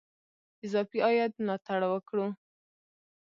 اضافي عاید ملاتړ وکړو.